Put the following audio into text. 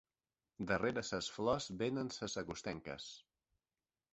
Darrere ses flors venen ses agostenques.